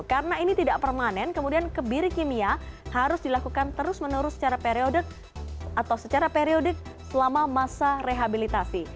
karena ini tidak permanen kemudian kebiri kimia harus dilakukan terus menerus secara periodik selama masa rehabilitasi